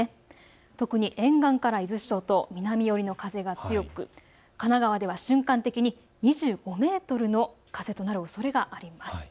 特に沿岸から伊豆諸島、南寄りの風が強く神奈川では瞬間的に２５メートルの風となるおそれがあります。